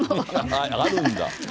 あるんだ。